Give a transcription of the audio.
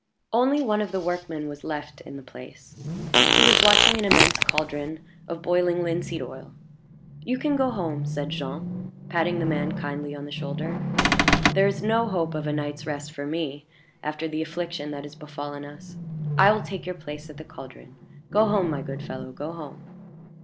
Only one of the workmen was left in the place. He was watching an immense caldron of boiling linseed oil. "You can go home," said Jean, patting the man kindly on the shoulder. "There is no hope of a night's rest for me, after the affliction that has befallen us; I will take your place at the caldron. Go home, my good fellow go home."